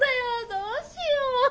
どうしよ。